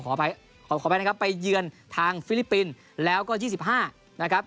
ขออภัยนะครับไปเยือนทางฟิลิปปินส์แล้วก็๒๕นะครับ